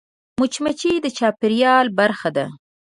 مچمچۍ د چاپېریال برخه ده